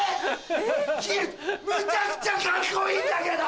むちゃくちゃカッコいいんだけど！